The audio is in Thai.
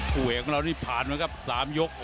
ผู้เอกของเรานี่ผ่านมาครับ๓ยก